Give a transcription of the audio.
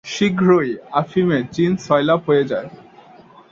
শীঘ্রই আফিমে চীন সয়লাব হয়ে যায়।